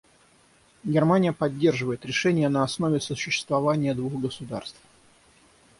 Германия поддерживает решение на основе сосуществования двух государств.